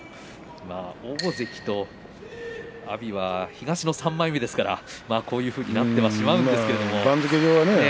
大関と阿炎は東の３枚目ですからこういう取組になってしまうんですけど。